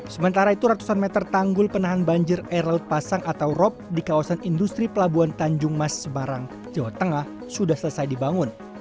sementara itu ratusan meter tanggul penahan banjir air laut pasang atau rop di kawasan industri pelabuhan tanjung mas semarang jawa tengah sudah selesai dibangun